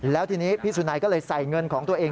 แล้วทีนี้พี่สุนัยก็เลยใส่เงินของตัวเอง